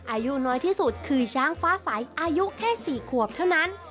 อายุน้อยที่สุดคือช้างฟ้าใสอายุแค่๔ขวบเท่านั้น